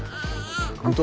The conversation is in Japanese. ホント？